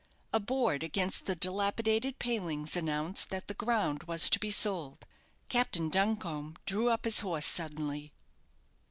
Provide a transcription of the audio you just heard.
A board against the dilapidated palings announced that the ground was to be sold. Captain Duncombe drew up his horse suddenly.